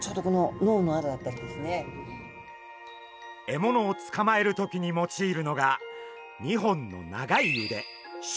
獲物をつかまえる時に用いるのが２本の長い腕